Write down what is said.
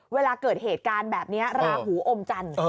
เวลาเกิดเหตุการณ์แบบนี้ราหูอมจันทร์